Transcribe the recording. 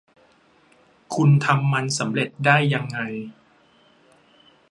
คุณทำมันสำเร็จได้ยังไง